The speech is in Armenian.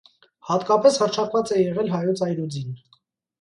Հատկապես հռչակված է եղել հայոց այրուձին։